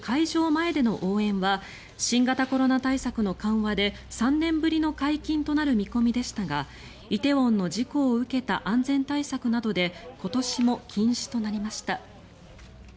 前での応援は新型コロナ対策の緩和で３年ぶりの解禁となる見込みでしたが梨泰院の事故を受けた安全対策などで今年も禁止となりました。